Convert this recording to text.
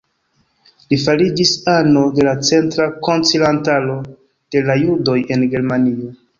Li fariĝis ano de la Centra Koncilantaro de la Judoj en Germanio.